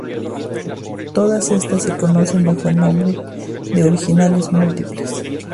Todas estas se conocen bajo el nombre de originales múltiples.